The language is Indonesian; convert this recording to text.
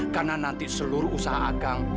karena nanti seluruh usaha akang